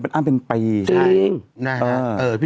มันอั้นเป็นปี